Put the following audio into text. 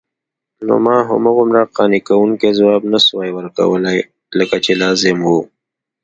نو ما هغومره قانع کوونکی ځواب نسوای ورکولای لکه چې لازم وو.